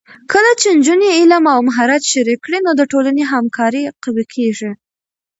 کله چې نجونې علم او مهارت شریک کړي، نو د ټولنې همکاري قوي کېږي.